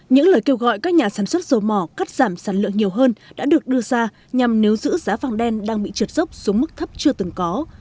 những lời kêu gọi các nhà sản xuất dầu mỏ cắt giảm sản lượng nhiều hơn đã được đưa ra nhằm nếu giữ giá vàng đen đang bị trượt dốc xuống mức thấp chưa từng có